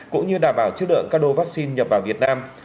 cũng như đảm bảo chất lượng các đô vaccine nhập vào việt nam